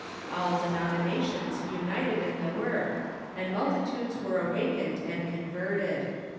All denominations united in the work, and multitudes were awakened and converted.